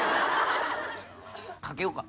賭けようか。